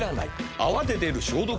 「泡で出る消毒液」は。